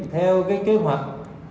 theo cái kế hoạch